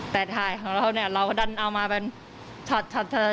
แต่ถ่ายของเราเนี่ยเราก็ดันเอามาเป็นช็อตเทิด